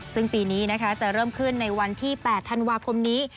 ซึ่งปีนี้นะคะจะเริ่มขึ้นในวันที่๘ธันวาคมนี้